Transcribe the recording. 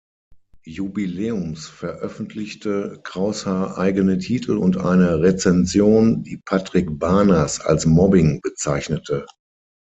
Jubiläums veröffentlichte Kraushaar eigene Titel und eine Rezension, die Patrick Bahners als Mobbing bezeichnete.